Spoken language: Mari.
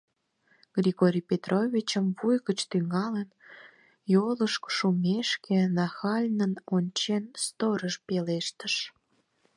— Григорий Петровичым вуй гычын тӱҥалын, йолышко шумешке нахальнын ончен, сторож пелештыш.